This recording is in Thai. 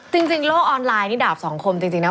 จริงโลกออนไลน์นี่ดาบสองคมจริงนะ